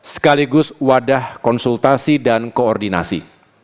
sekaligus wadah konsultasi dan koordinasi